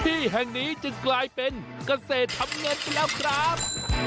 ที่แห่งนี้จึงกลายเป็นเกษตรทำเงินไปแล้วครับ